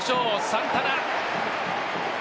サンタナ。